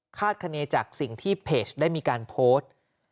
คณีจากสิ่งที่เพจได้มีการโพสต์